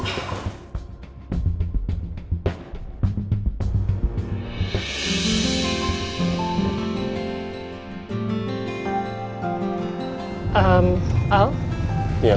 iya bu chandra